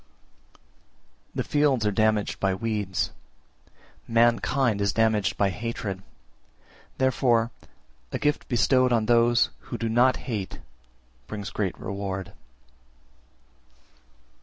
357. The fields are damaged by weeds, mankind is damaged by hatred: therefore a gift bestowed on those who do not hate brings great reward.